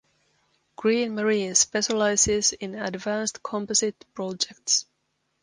Green Marine specializes in advanced composite projects.